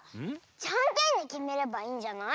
じゃんけんできめればいいんじゃない？